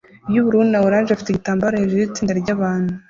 yubururu na orange afite igitabo hejuru yitsinda ryabantu